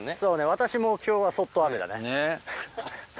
私もきょうはそっと雨だね。